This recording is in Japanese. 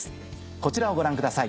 こちらをご覧ください。